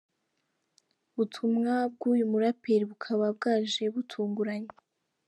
butumwa bwuyu muraperi bukaba bwaje butunguranye.